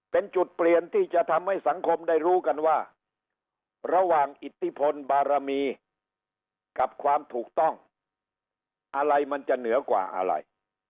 เป็นจุดเปลี่ยนที่จะทำให้สังคมได้รู้กันว่าระหว่างอิทธิพลบารมีกับความถูกต้องอะไรมันจะเหนือกว่าอะไร